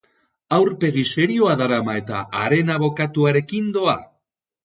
Aurpegi serioa darama eta haren abokatuarekin doa.